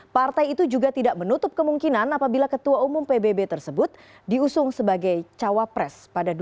partai itu juga tidak menutup kemungkinan apabila ketua umum pbb tersebut diusung sebagai cawapres pada dua ribu sembilan belas